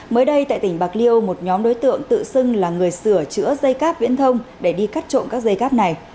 mới đây tại tỉnh bạc liêu một nhóm đối tượng tự xưng là người sửa chữa dây cáp viễn thông để đi cắt trộm các dây cáp này